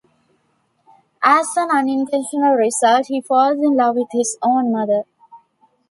As an unintentional result, he falls in love with his own mother.